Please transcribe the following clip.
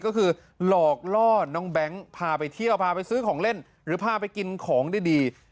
ก็คือหลอกล่อน้องแบงค์พาไปเที่ยวพาไปซื้อของเล่นหรือพาไปกินของดี